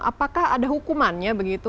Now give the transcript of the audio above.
apakah ada hukumannya begitu